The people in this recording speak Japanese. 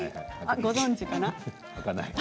ご存じかな？